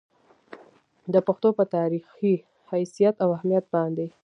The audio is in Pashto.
د پښتو پۀ تاريخي حېثيت او اهميت باندې